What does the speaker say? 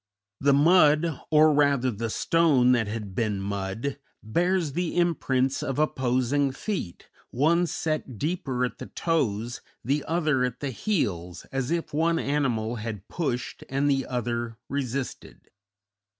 The mud, or rather the stone that had been mud, bears the imprints of opposing feet, one set deeper at the toes, the other at the heels, as if one animal had pushed and the other resisted.